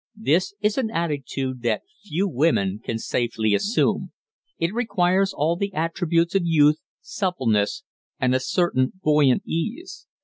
This is an attitude that few women can safely assume; it requires all the attributes of youth, suppleness, and a certain buoyant ease.